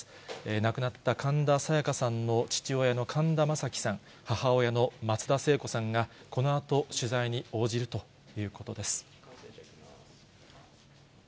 亡くなった神田沙也加さんの父親の神田正輝さん、母親の松田聖子さんが、このあと取材に応じるということです。